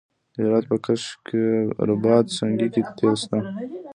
د هرات په کشک رباط سنګي کې تیل شته.